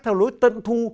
theo lối tân thu